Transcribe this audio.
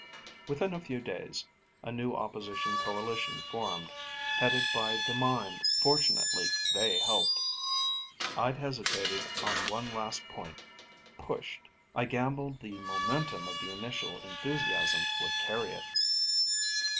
Within a few days, a new opposition coalition formed, headed by the Mind. Fortunately, they helped. I'd hesitated on one last point. Pushed. I gambled the momentum of the initial enthusiasm would carry it.